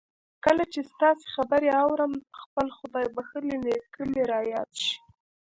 کله چې ستاسې خبرې آورم خپل خدای بخښلی نېکه مې را یاد شي